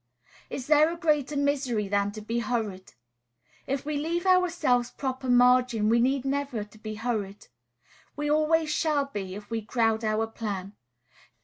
Is there a greater misery than to be hurried? If we leave ourselves proper margin, we never need to be hurried. We always shall be, if we crowd our plan.